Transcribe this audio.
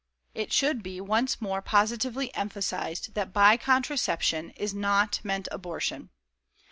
It should once more be positively emphasized that BY CONTRACEPTION IS NOT MEANT ABORTION.